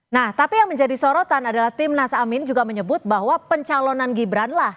nah tapi yang menjadi sorotan adalah timnas amin juga menyebut bahwa pencalonan gibranlah